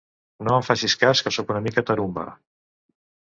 No em facis cas, que soc una mica tarumba.